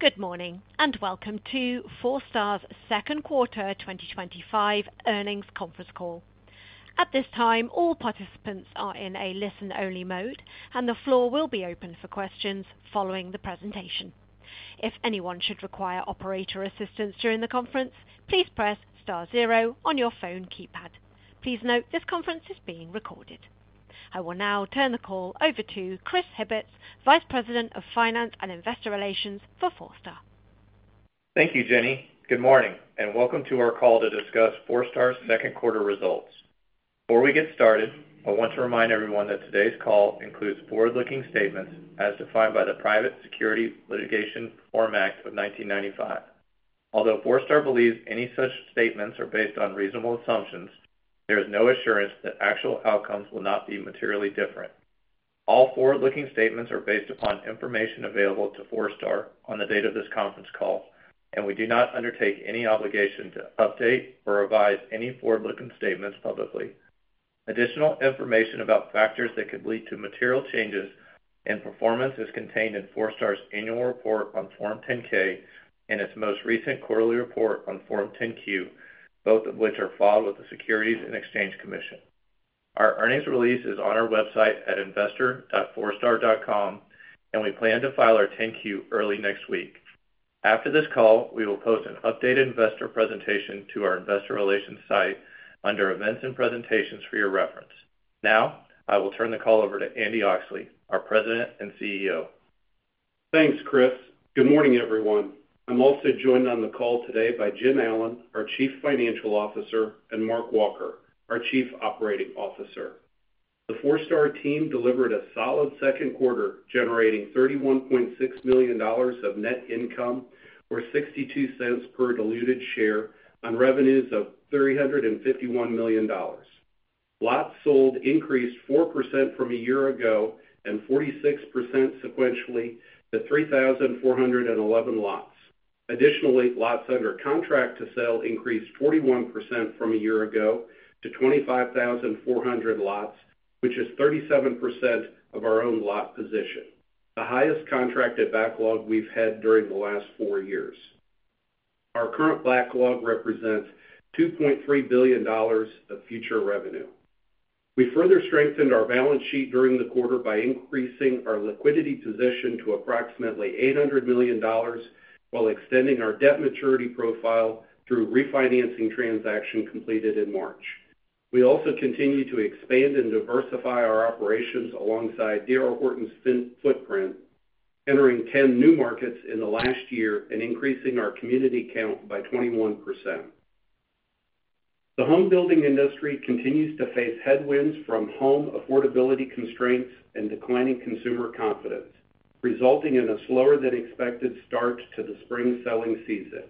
Good morning, and welcome to Forestar's second quarter 2025 earnings conference call. At this time, all participants are in a listen-only mode, and the floor will be open for questions following the presentation. If anyone should require operator assistance during the conference, please press star zero on your phone keypad. Please note this conference is being recorded. I will now turn the call over to Chris Hibbetts, Vice President of Finance and Investor Relations for Forestar. Thank you, Jenny. Good morning, and welcome to our call to discuss Forestar's second quarter results. Before we get started, I want to remind everyone that today's call includes forward-looking statements as defined by the Private Securities Litigation Reform Act of 1995. Although Forestar believes any such statements are based on reasonable assumptions, there is no assurance that actual outcomes will not be materially different. All forward-looking statements are based upon information available to Forestar on the date of this conference call, and we do not undertake any obligation to update or revise any forward-looking statements publicly. Additional information about factors that could lead to material changes in performance is contained in Forestar's annual report on Form 10-K and its most recent quarterly report on Form 10-Q, both of which are filed with the Securities and Exchange Commission. Our earnings release is on our website at investor.forestar.com, and we plan to file our 10-Q early next week. After this call, we will post an updated investor presentation to our investor relations site under Events and Presentations for your reference. Now, I will turn the call over to Andy Oxley, our President and CEO. Thanks, Chris. Good morning, everyone. I'm also joined on the call today by Jim Allen, our Chief Financial Officer, and Mark Walker, our Chief Operating Officer. The Forestar team delivered a solid second quarter, generating $31.6 million of net income or $0.62 per diluted share on revenues of $351 million. Lots sold increased 4% from a year ago and 46% sequentially to 3,411 lots. Additionally, lots under contract to sell increased 41% from a year ago to 25,400 lots, which is 37% of our owned lot position, the highest contracted backlog we've had during the last four years. Our current backlog represents $2.3 billion of future revenue. We further strengthened our balance sheet during the quarter by increasing our liquidity position to approximately $800 million while extending our debt maturity profile through refinancing transactions completed in March. We also continue to expand and diversify our operations alongside D.R. Horton's footprint, entering 10 new markets in the last year and increasing our community count by 21%. The home building industry continues to face headwinds from home affordability constraints and declining consumer confidence, resulting in a slower-than-expected start to the spring selling season.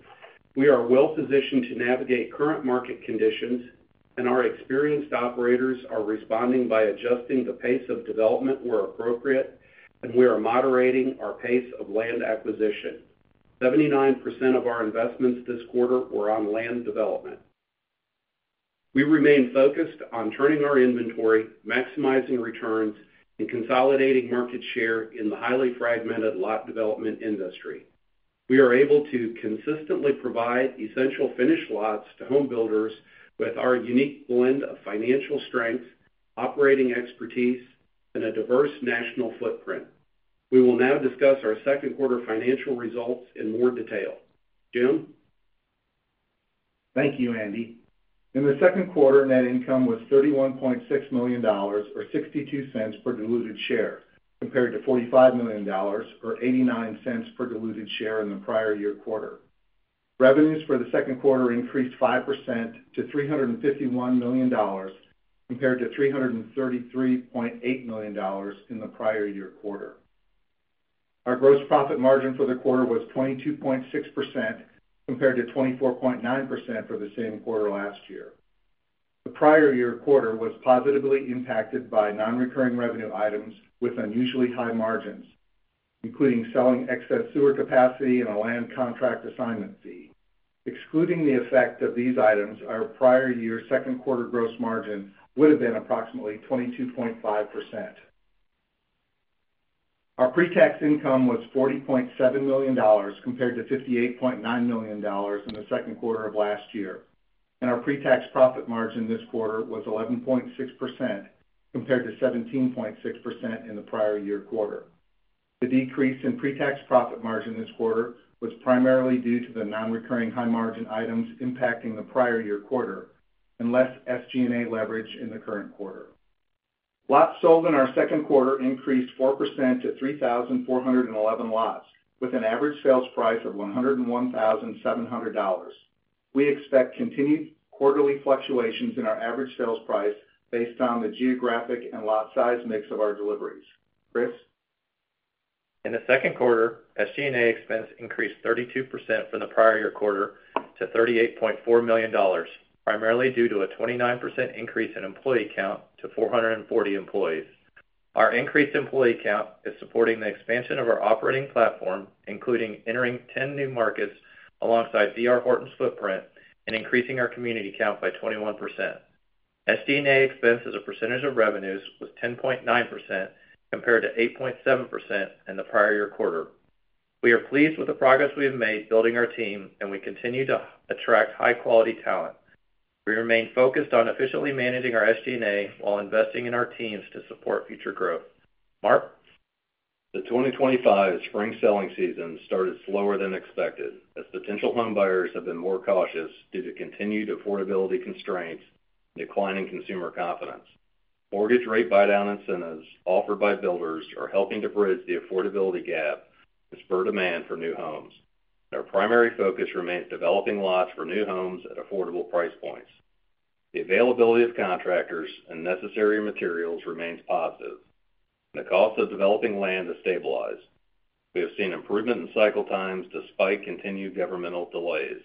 We are well-positioned to navigate current market conditions, and our experienced operators are responding by adjusting the pace of development where appropriate, and we are moderating our pace of land acquisition. 79% of our investments this quarter were on land development. We remain focused on turning our inventory, maximizing returns, and consolidating market share in the highly fragmented lot development industry. We are able to consistently provide essential finished lots to home builders with our unique blend of financial strength, operating expertise, and a diverse national footprint. We will now discuss our second quarter financial results in more detail. Jim? Thank you, Andy. In the second quarter, net income was $31.6 million or $0.62 per diluted share, compared to $45 million or $0.89 per diluted share in the prior year quarter. Revenues for the second quarter increased 5% to $351 million compared to $333.8 million in the prior year quarter. Our gross profit margin for the quarter was 22.6% compared to 24.9% for the same quarter last year. The prior year quarter was positively impacted by non-recurring revenue items with unusually high margins, including selling excess sewer capacity and a land contract assignment fee. Excluding the effect of these items, our prior year second quarter gross margin would have been approximately 22.5%. Our pre-tax income was $40.7 million compared to $58.9 million in the second quarter of last year, and our pre-tax profit margin this quarter was 11.6% compared to 17.6% in the prior year quarter. The decrease in pre-tax profit margin this quarter was primarily due to the non-recurring high margin items impacting the prior year quarter and less SG&A leverage in the current quarter. Lots sold in our second quarter increased 4% to 3,411 lots, with an average sales price of $101,700. We expect continued quarterly fluctuations in our average sales price based on the geographic and lot size mix of our deliveries. Chris? In the second quarter, SG&A expense increased 32% from the prior year quarter to $38.4 million, primarily due to a 29% increase in employee count to 440 employees. Our increased employee count is supporting the expansion of our operating platform, including entering 10 new markets alongside D.R. Horton's footprint and increasing our community count by 21%. SG&A expense as a percentage of revenues was 10.9% compared to 8.7% in the prior year quarter. We are pleased with the progress we have made building our team, and we continue to attract high-quality talent. We remain focused on efficiently managing our SG&A while investing in our teams to support future growth. Mark? The 2025 spring selling season started slower than expected as potential home buyers have been more cautious due to continued affordability constraints and declining consumer confidence. Mortgage rate buy-down incentives offered by builders are helping to bridge the affordability gap and spur demand for new homes. Our primary focus remains developing lots for new homes at affordable price points. The availability of contractors and necessary materials remains positive. The cost of developing land has stabilized. We have seen improvement in cycle times despite continued governmental delays.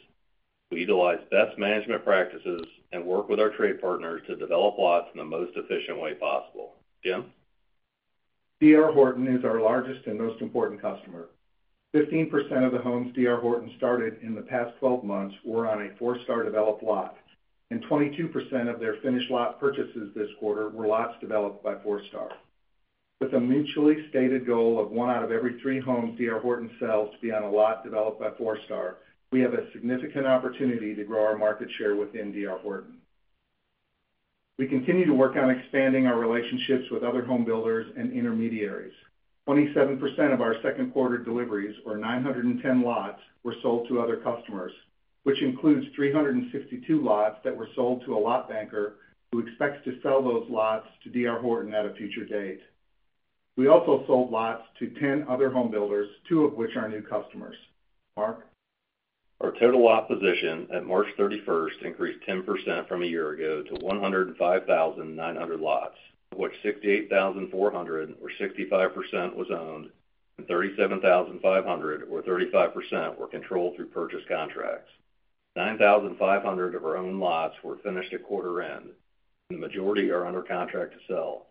We utilize best management practices and work with our trade partners to develop lots in the most efficient way possible. Jim? D.R. Horton is our largest and most important customer. 15% of the homes D.R. Horton started in the past 12 months were on a Forestar-developed lot, and 22% of their finished lot purchases this quarter were lots developed by Forestar. With a mutually stated goal of one out of every three homes D.R. Horton sells to be on a lot developed by Forestar, we have a significant opportunity to grow our market share within D.R. Horton. We continue to work on expanding our relationships with other home builders and intermediaries. 27% of our second quarter deliveries, or 910 lots, were sold to other customers, which includes 362 lots that were sold to a lot banker who expects to sell those lots to D.R. Horton at a future date. We also sold lots to 10 other home builders, two of which are new customers. Mark? Our total lot position at March 31 increased 10% from a year ago to 105,900 lots, of which 68,400, or 65%, was owned, and 37,500, or 35%, were controlled through purchase contracts. 9,500 of our owned lots were finished at quarter end, and the majority are under contract to sell.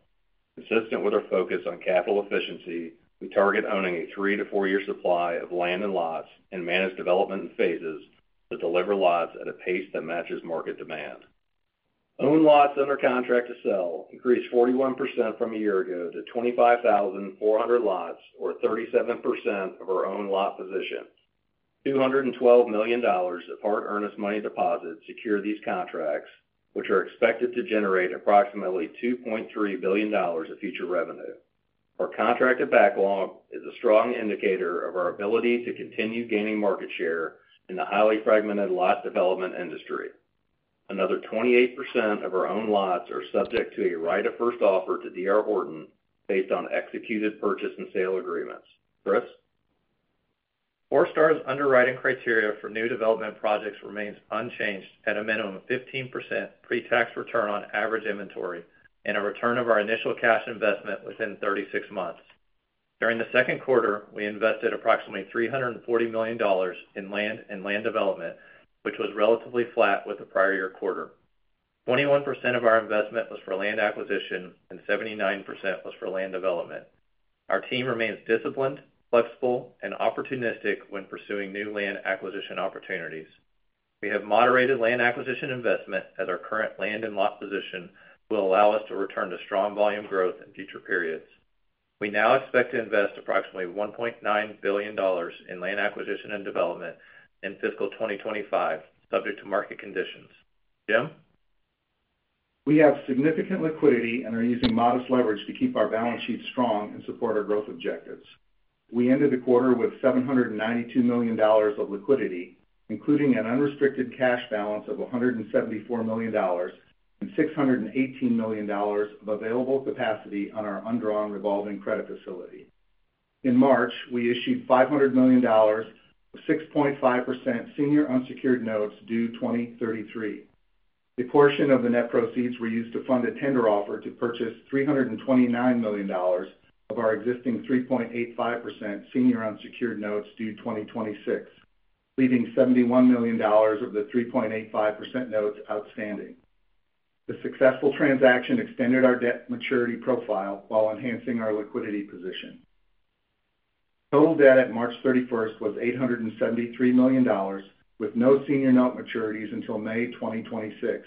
Consistent with our focus on capital efficiency, we target owning a three- to four-year supply of land and lots and manage development in phases to deliver lots at a pace that matches market demand. Owned lots under contract to sell increased 41% from a year ago to 25,400 lots, or 37% of our owned lot position. $212 million of hard earnest money deposits secure these contracts, which are expected to generate approximately $2.3 billion of future revenue. Our contracted backlog is a strong indicator of our ability to continue gaining market share in the highly fragmented lot development industry. Another 28% of our owned lots are subject to a right of first offer to D.R. Horton based on executed purchase and sale agreements. Chris? Forestar's underwriting criteria for new development projects remains unchanged at a minimum of 15% pre-tax return on average inventory and a return of our initial cash investment within 36 months. During the second quarter, we invested approximately $340 million in land and land development, which was relatively flat with the prior year quarter. 21% of our investment was for land acquisition, and 79% was for land development. Our team remains disciplined, flexible, and opportunistic when pursuing new land acquisition opportunities. We have moderated land acquisition investment as our current land and lot position will allow us to return to strong volume growth in future periods. We now expect to invest approximately $1.9 billion in land acquisition and development in fiscal 2025, subject to market conditions. Jim? We have significant liquidity and are using modest leverage to keep our balance sheet strong and support our growth objectives. We ended the quarter with $792 million of liquidity, including an unrestricted cash balance of $174 million and $618 million of available capacity on our revolving credit facility. In March, we issued $500 million of 6.5% senior unsecured notes due 2033. A portion of the net proceeds were used to fund a tender offer to purchase $329 million of our existing 3.85% senior unsecured notes due 2026, leaving $71 million of the 3.85% notes outstanding. The successful transaction extended our debt maturity profile while enhancing our liquidity position. Total debt at March 31 was $873 million, with no senior note maturities until May 2026,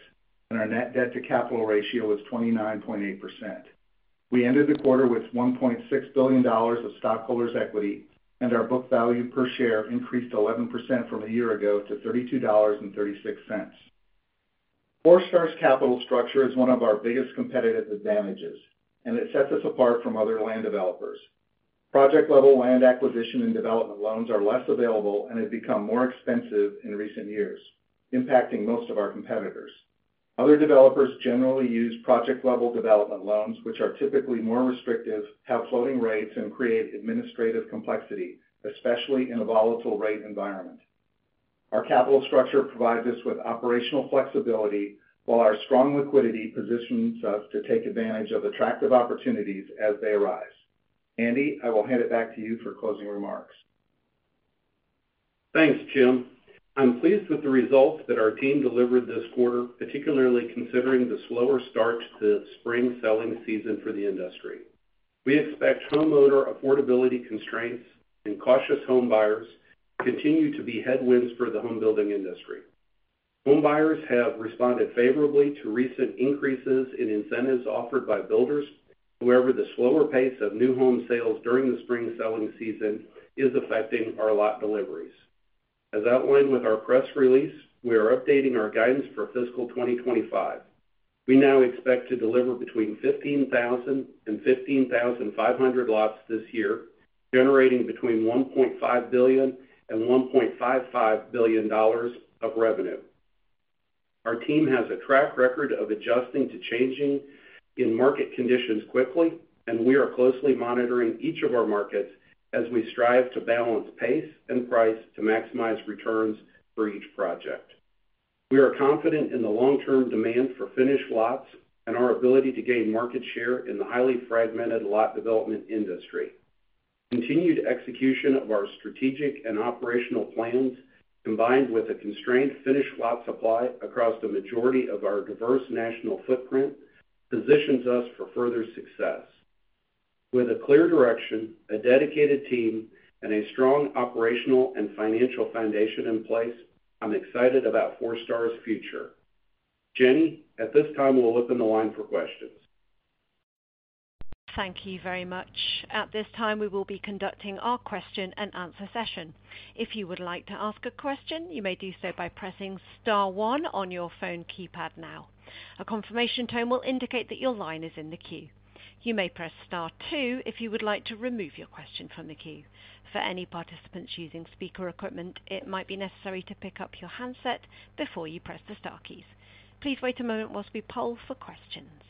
and our net debt-to-capital ratio was 29.8%. We ended the quarter with $1.6 billion of stockholders' equity, and our book value per share increased 11% from a year ago to $32.36. Forestar's capital structure is one of our biggest competitive advantages, and it sets us apart from other land developers. Project-level land acquisition and development loans are less available and have become more expensive in recent years, impacting most of our competitors. Other developers generally use project-level development loans, which are typically more restrictive, have floating rates, and create administrative complexity, especially in a volatile rate environment. Our capital structure provides us with operational flexibility, while our strong liquidity positions us to take advantage of attractive opportunities as they arise. Andy, I will hand it back to you for closing remarks. Thanks, Jim. I'm pleased with the results that our team delivered this quarter, particularly considering the slower start to the spring selling season for the industry. We expect homeowner affordability constraints and cautious home buyers continue to be headwinds for the home building industry. Home buyers have responded favorably to recent increases in incentives offered by builders, however, the slower pace of new home sales during the spring selling season is affecting our lot deliveries. As outlined with our press release, we are updating our guidance for fiscal 2025. We now expect to deliver between 15,000 and 15,500 lots this year, generating between $1.5 billion and $1.55 billion of revenue. Our team has a track record of adjusting to changing in market conditions quickly, and we are closely monitoring each of our markets as we strive to balance pace and price to maximize returns for each project. We are confident in the long-term demand for finished lots and our ability to gain market share in the highly fragmented lot development industry. Continued execution of our strategic and operational plans, combined with a constrained finished lot supply across the majority of our diverse national footprint, positions us for further success. With a clear direction, a dedicated team, and a strong operational and financial foundation in place, I'm excited about Forestar's future. Jenny, at this time, we'll open the line for questions. Thank you very much. At this time, we will be conducting our question-and-answer session. If you would like to ask a question, you may do so by pressing Star 1 on your phone keypad now. A confirmation tone will indicate that your line is in the queue. You may press Star 2 if you would like to remove your question from the queue. For any participants using speaker equipment, it might be necessary to pick up your handset before you press the Star keys. Please wait a moment whilst we poll for questions.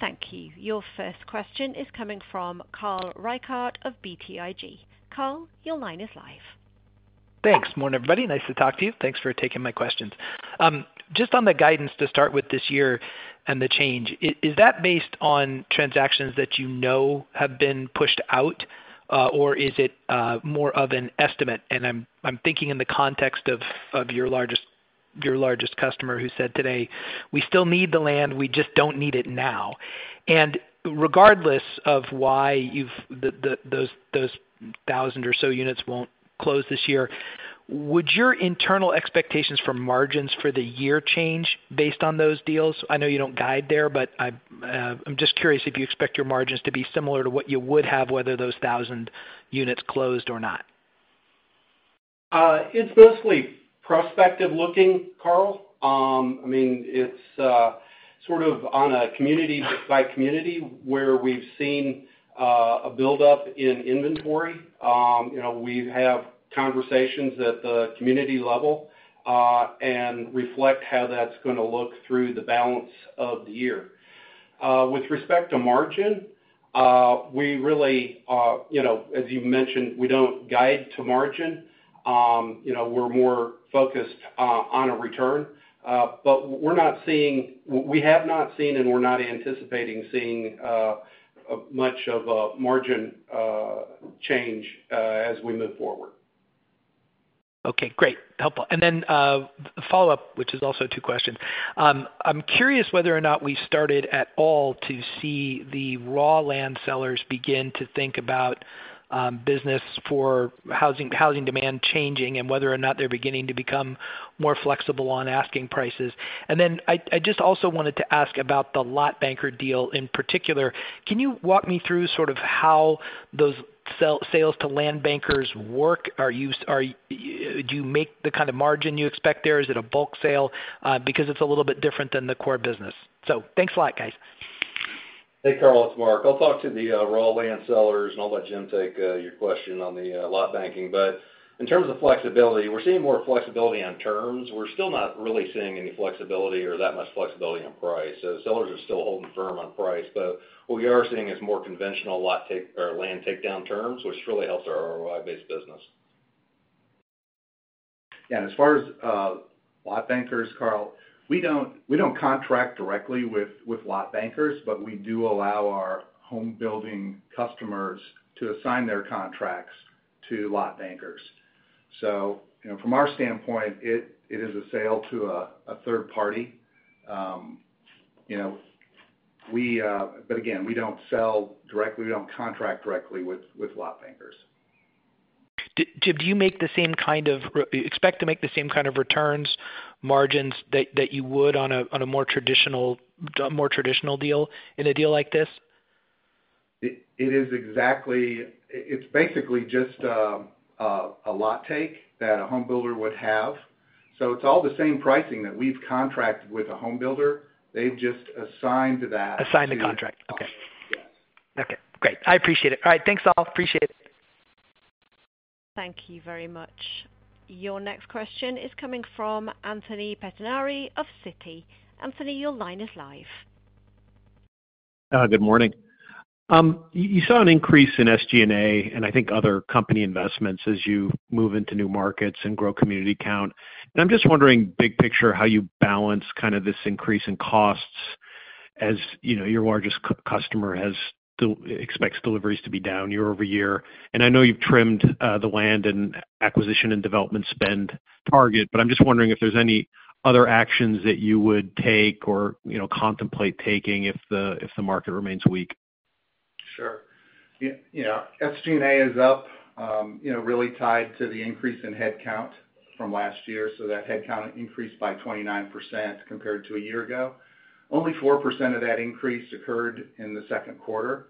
Thank you. Your first question is coming from Carl Reichard of BTIG. Carl, your line is live. Thanks. Morning, everybody. Nice to talk to you. Thanks for taking my questions. Just on the guidance to start with this year and the change, is that based on transactions that you know have been pushed out, or is it more of an estimate? I am thinking in the context of your largest customer who said today, "We still need the land. We just do not need it now." Regardless of why those thousand or so units will not close this year, would your internal expectations for margins for the year change based on those deals? I know you do not guide there, but I am just curious if you expect your margins to be similar to what you would have whether those thousand units closed or not. It's mostly prospective looking, Carl. I mean, it's sort of on a community-by-community where we've seen a buildup in inventory. We have conversations at the community level and reflect how that's going to look through the balance of the year. With respect to margin, we really, as you mentioned, we don't guide to margin. We're more focused on a return, but we're not seeing—we have not seen, and we're not anticipating seeing much of a margin change as we move forward. Okay. Great. Helpful. Then follow-up, which is also two questions. I'm curious whether or not we started at all to see the raw land sellers begin to think about business for housing demand changing and whether or not they're beginning to become more flexible on asking prices. I just also wanted to ask about the lot banker deal in particular. Can you walk me through sort of how those sales to land bankers work? Do you make the kind of margin you expect there? Is it a bulk sale? Because it's a little bit different than the core business. Thanks a lot, guys. Hey, Carl. It's Mark. I'll talk to the raw land sellers, and I'll let Jim take your question on the lot banking. In terms of flexibility, we're seeing more flexibility on terms. We're still not really seeing any flexibility or that much flexibility on price. Sellers are still holding firm on price, but what we are seeing is more conventional land takedown terms, which really helps our ROI-based business. Yeah. As far as lot bankers, Carl, we do not contract directly with lot bankers, but we do allow our home building customers to assign their contracts to lot bankers. From our standpoint, it is a sale to a third party. Again, we do not sell directly. We do not contract directly with lot bankers. Jim, do you expect to make the same kind of returns, margins that you would on a more traditional deal in a deal like this? It is exactly—it's basically just a lot take that a home builder would have. So it's all the same pricing that we've contracted with a home builder. They've just assigned that. Assigned the contract. Okay. Yes. Okay. Great. I appreciate it. All right. Thanks, all. Appreciate it. Thank you very much. Your next question is coming from Anthony Pettinari of Citi. Anthony, your line is live. Good morning. You saw an increase in SG&A and I think other company investments as you move into new markets and grow community count. I'm just wondering, big picture, how you balance kind of this increase in costs as your largest customer expects deliveries to be down year over year. I know you've trimmed the land acquisition and development spend target, but I'm just wondering if there's any other actions that you would take or contemplate taking if the market remains weak. Sure. Yeah. SG&A is up, really tied to the increase in headcount from last year. That headcount increased by 29% compared to a year ago. Only 4% of that increase occurred in the second quarter.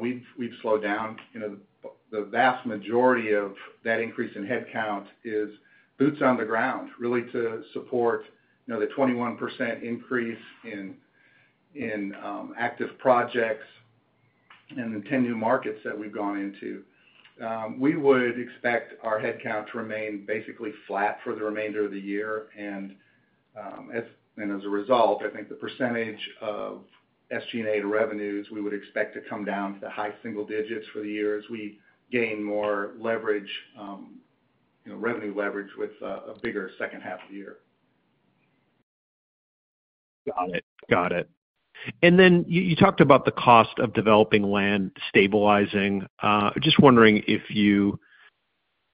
We have slowed down. The vast majority of that increase in headcount is boots on the ground, really, to support the 21% increase in active projects and the 10 new markets that we have gone into. We would expect our headcount to remain basically flat for the remainder of the year. As a result, I think the percentage of SG&A revenues we would expect to come down to the high single digits for the year as we gain more revenue leverage with a bigger second half of the year. Got it. Got it. You talked about the cost of developing land stabilizing. Just wondering if you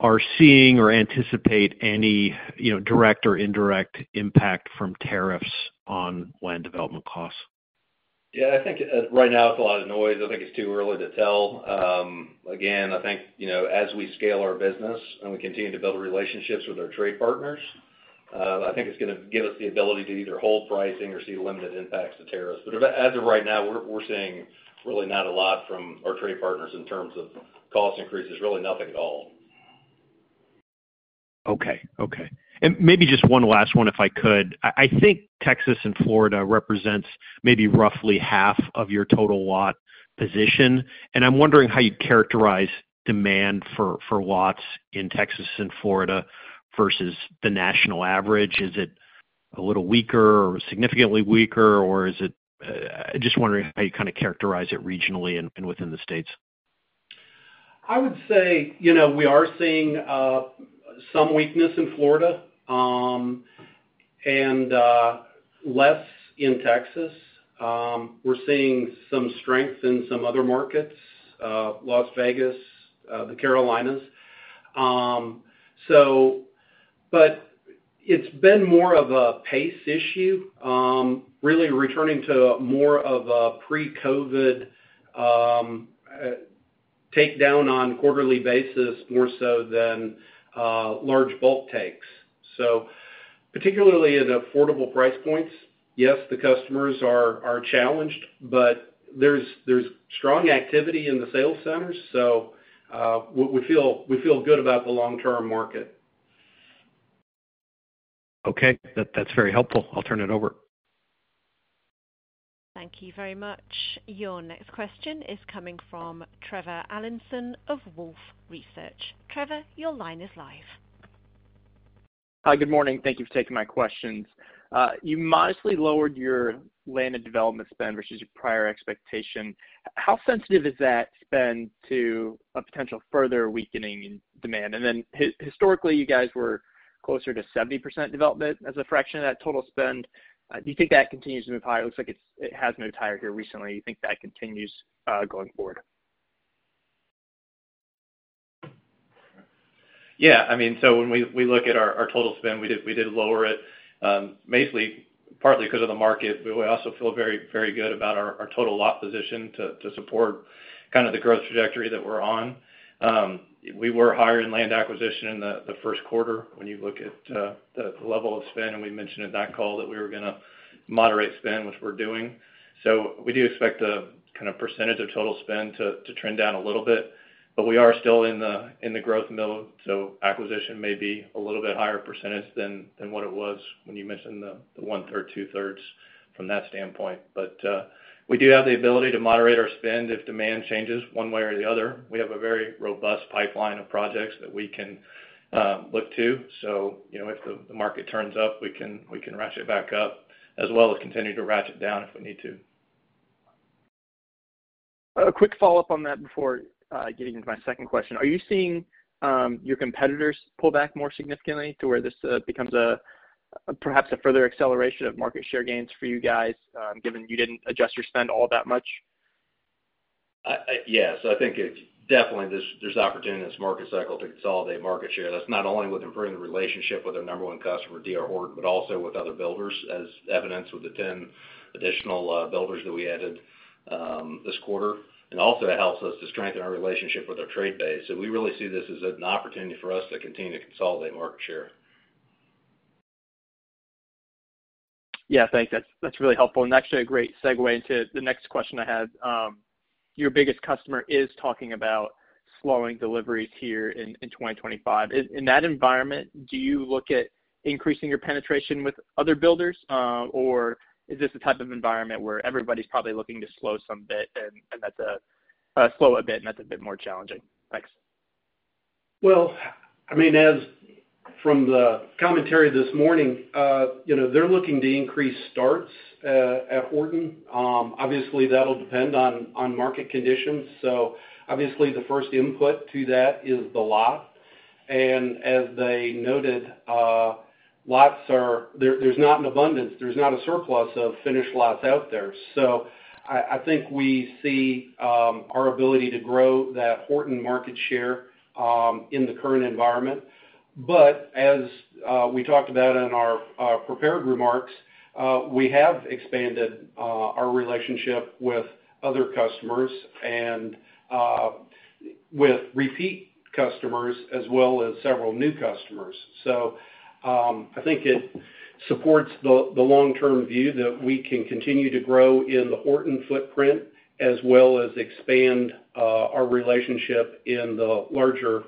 are seeing or anticipate any direct or indirect impact from tariffs on land development costs. Yeah. I think right now it's a lot of noise. I think it's too early to tell. Again, I think as we scale our business and we continue to build relationships with our trade partners, I think it's going to give us the ability to either hold pricing or see limited impacts to tariffs. As of right now, we're seeing really not a lot from our trade partners in terms of cost increases. Really nothing at all. Okay. Okay. Maybe just one last one, if I could. I think Texas and Florida represents maybe roughly half of your total lot position. I'm wondering how you'd characterize demand for lots in Texas and Florida versus the national average. Is it a little weaker or significantly weaker, or is it—I'm just wondering how you kind of characterize it regionally and within the states. I would say we are seeing some weakness in Florida and less in Texas. We are seeing some strength in some other markets, Las Vegas, the Carolinas. It has been more of a pace issue, really returning to more of a pre-COVID takedown on a quarterly basis, more so than large bulk takes. Particularly at affordable price points, yes, the customers are challenged, but there is strong activity in the sales centers. We feel good about the long-term market. Okay. That's very helpful. I'll turn it over. Thank you very much. Your next question is coming from Trevor Allinson of Wolfe Research. Trevor, your line is live. Hi. Good morning. Thank you for taking my questions. You modestly lowered your land and development spend versus your prior expectation. How sensitive is that spend to a potential further weakening in demand? Historically, you guys were closer to 70% development as a fraction of that total spend. Do you think that continues to move higher? It looks like it has moved higher here recently. Do you think that continues going forward? Yeah. I mean, when we look at our total spend, we did lower it partly because of the market. We also feel very good about our total lot position to support kind of the growth trajectory that we're on. We were higher in land acquisition in the first quarter when you look at the level of spend. We mentioned in that call that we were going to moderate spend, which we're doing. We do expect the percentage of total spend to trend down a little bit. We are still in the growth middle, so acquisition may be a little bit higher percentage than what it was when you mentioned the one-third, two-thirds from that standpoint. We do have the ability to moderate our spend if demand changes one way or the other. We have a very robust pipeline of projects that we can look to. If the market turns up, we can ratchet back up as well as continue to ratchet down if we need to. A quick follow-up on that before getting into my second question. Are you seeing your competitors pull back more significantly to where this becomes perhaps a further acceleration of market share gains for you guys, given you did not adjust your spend all that much? Yeah. I think definitely there's opportunity in this market cycle to consolidate market share. That's not only with improving the relationship with our number one customer, D.R. Horton, but also with other builders, as evidenced with the 10 additional builders that we added this quarter. It also helps us to strengthen our relationship with our trade base. We really see this as an opportunity for us to continue to consolidate market share. Yeah. Thanks. That's really helpful. Actually, a great segue into the next question I had. Your biggest customer is talking about slowing deliveries here in 2025. In that environment, do you look at increasing your penetration with other builders, or is this the type of environment where everybody's probably looking to slow a bit, and that's a bit more challenging? Thanks. I mean, from the commentary this morning, they're looking to increase starts at Horton. Obviously, that'll depend on market conditions. The first input to that is the lot. As they noted, there's not an abundance. There's not a surplus of finished lots out there. I think we see our ability to grow that Horton market share in the current environment. As we talked about in our prepared remarks, we have expanded our relationship with other customers and with repeat customers as well as several new customers. I think it supports the long-term view that we can continue to grow in the Horton footprint as well as expand our relationship in the larger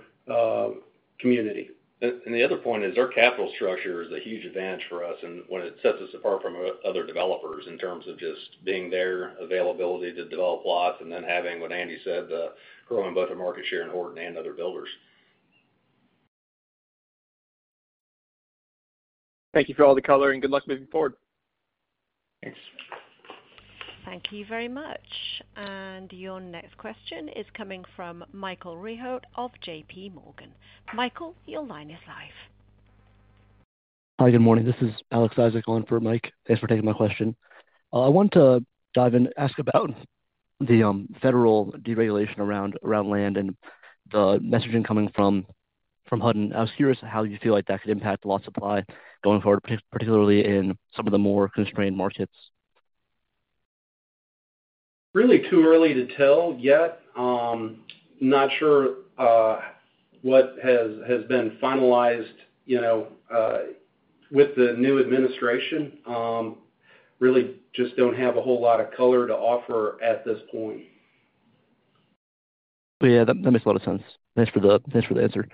community. The other point is our capital structure is a huge advantage for us and what sets us apart from other developers in terms of just being there, availability to develop lots, and then having, what Andy said, the growing both of market share in Horton and other builders. Thank you for all the color and good luck moving forward. Thanks. Thank you very much. Your next question is coming from Michael Rehaut of JP Morgan. Michael, your line is live. Hi. Good morning. This is Alex Isaac on for Mike. Thanks for taking my question. I want to dive in and ask about the federal deregulation around land and the messaging coming from Horton. I was curious how you feel like that could impact lot supply going forward, particularly in some of the more constrained markets. Really too early to tell yet. Not sure what has been finalized with the new administration. Really just do not have a whole lot of color to offer at this point. Yeah. That makes a lot of sense. Thanks for the answer.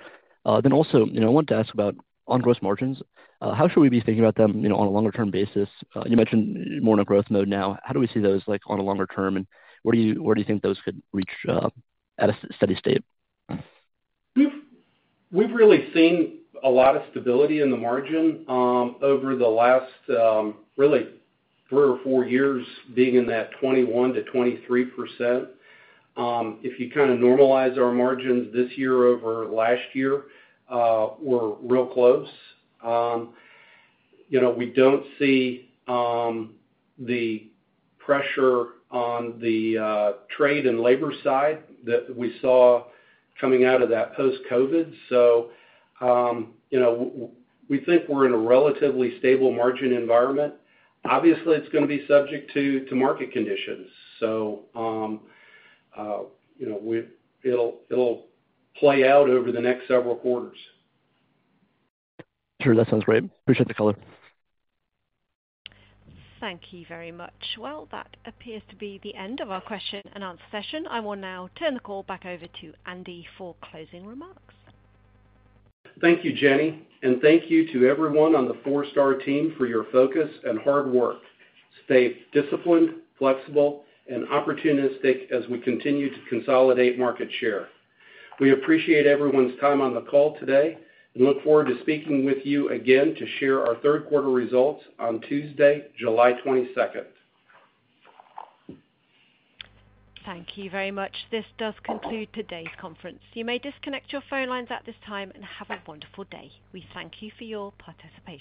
I wanted to ask about gross margins. How should we be thinking about them on a longer-term basis? You mentioned you're more in a growth mode now. How do we see those on a longer term, and where do you think those could reach at a steady state? We've really seen a lot of stability in the margin over the last really three or four years being in that 21-23%. If you kind of normalize our margins this year over last year, we're real close. We don't see the pressure on the trade and labor side that we saw coming out of that post-COVID. We think we're in a relatively stable margin environment. Obviously, it's going to be subject to market conditions. It'll play out over the next several quarters. Sure. That sounds great. Appreciate the color. Thank you very much. That appears to be the end of our question and answer session. I will now turn the call back over to Andy for closing remarks. Thank you, Jenny. Thank you to everyone on the Forestar Team for your focus and hard work. Stay disciplined, flexible, and opportunistic as we continue to consolidate market share. We appreciate everyone's time on the call today and look forward to speaking with you again to share our third-quarter results on Tuesday, July 22. Thank you very much. This does conclude today's conference. You may disconnect your phone lines at this time and have a wonderful day. We thank you for your participation.